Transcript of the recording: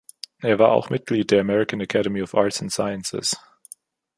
Er war auch Mitglied der American Academy of Arts and Sciences.